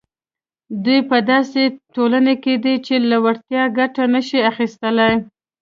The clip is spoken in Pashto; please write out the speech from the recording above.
دوی په داسې ټولنه کې دي چې له وړتیاوو ګټه نه شي اخیستلای.